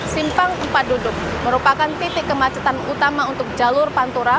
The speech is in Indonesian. simpang empat duduk merupakan titik kemacetan utama untuk jalur pantura